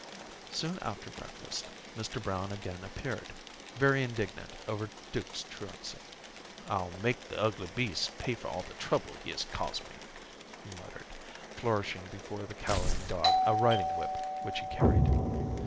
Soon after breakfast, Mr. Brown again appeared, very indignant over Duke's truancy. "I'll make the ugly beast pay for all the trouble he has caused me," he muttered, flourishing before the cowering dog a riding whip which he carried.